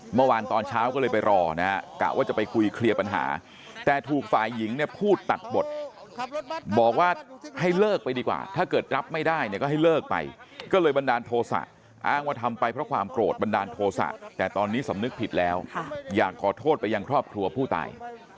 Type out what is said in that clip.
เมื่อวานตอนเช้าก็เลยไปรอนะฮะกะว่าจะไปคุยเคลียร์ปัญหาแต่ถูกฝ่ายหญิงเนี่ยพูดตัดบทบอกว่าให้เลิกไปดีกว่าถ้าเกิดรับไม่ได้เนี่ยก็ให้เลิกไปก็เลยบันดาลโทษะอ้างว่าทำไปเพราะความโกรธบันดาลโทษะแต่ตอนนี้สำนึกผิดแล้วอยากขอโทษไปยังครอบครัวผู้ตาย